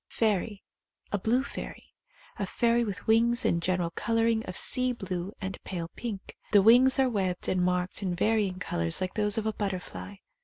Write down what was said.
Fairy. A blue fairy. A fairy with wings and general colouring of sea blue and pale pink. The wings are webbed and marked in varying colours like those of a butterfly.